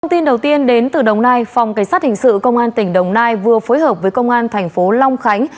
thông tin đầu tiên đến từ đồng nai phòng cảnh sát hình sự công an tỉnh đồng nai vừa phối hợp với công an thành phố long khánh